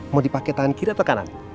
mau dipakai tangan kiri atau kanan